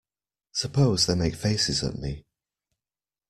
Suppose they make faces at me.